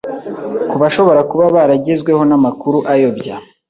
bashobora kuba baragezweho n'amakuru ayobya